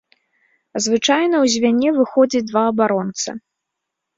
Звычайна ў звяне выходзяць два абаронцы.